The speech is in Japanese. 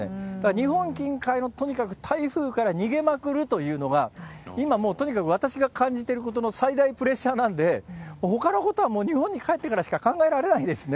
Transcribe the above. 日本近海のとにかく台風から逃げまくるというのが、今、もうとにかく私が感じてることの最大プレッシャーなんで、ほかのことはもう日本に帰ってからしか考えられないですね。